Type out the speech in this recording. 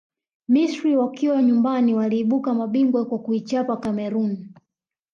misri wakiwa nyumbani waliibuka mabingwa kwa kuichapa cameroon